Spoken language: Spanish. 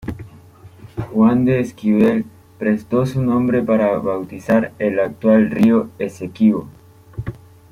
Juan de Esquivel prestó su nombre para bautizar el actual río Esequibo.